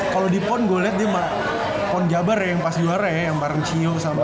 kalau di pon gue liat dia sama pon jabar yang pas juara ya yang marencio sama